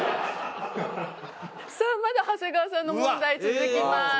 さあまだ長谷川さんの問題続きます。